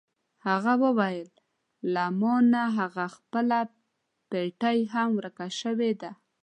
هغه وویل: له ما نه هغه خپله پټۍ هم ورکه شوې ده.